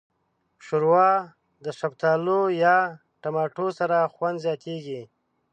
ښوروا د شفتالو یا ټماټو سره خوند زیاتیږي.